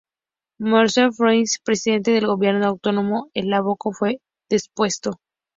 Monseñor Jozef Tiso, presidente del Gobierno autónomo eslovaco, fue depuesto.